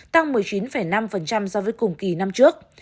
tăng một mươi chín năm so với cùng kỳ năm trước